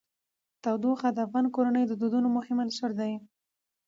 تودوخه د افغان کورنیو د دودونو مهم عنصر دی.